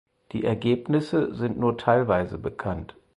Die Ergebnisse sind nur teilweise bekannt.